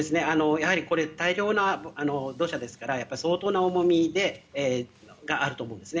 やはり大量の土砂ですから相当な重みがあると思うんですね。